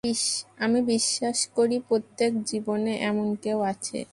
আমি বিশ্বাস করি প্রত্যেকের জীবনে এমন কেউ আছে।